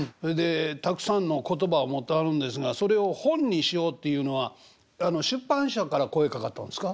たくさんの言葉を持ってはるんですがそれを本にしようっていうのは出版社から声かかったんですか？